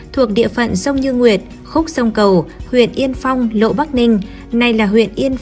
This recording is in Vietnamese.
thuộc địa phận sông như nguyệt khúc sông cầu huyện yên phong lộ bắc ninh